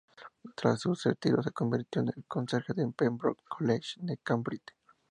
Tras su retiro se convirtió en el conserje del Pembroke College de Cambridge.